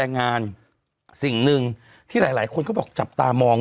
หรอหรอหรอหรอหรอหรอหรอหรอหรอหรอหรอ